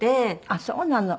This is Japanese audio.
あっそうなの。